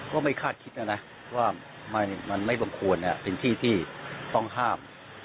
ไม่คาดคิดนะนะว่ามันไม่บังควรเป็นที่ที่ต้องห้าม